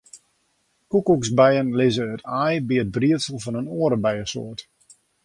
Koekoeksbijen lizze it aai yn it briedsel fan in oare bijesoart.